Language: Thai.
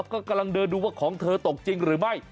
ก็กำลังเดินดูว่าของเธอตกจริงหรือไม่